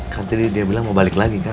kan tadi dia bilang mau balik lagi kan